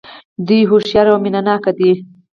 دوی هوښیار او مینه ناک دي.